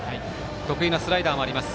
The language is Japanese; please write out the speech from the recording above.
得意なスライダーもあります。